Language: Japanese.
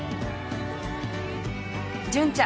純ちゃん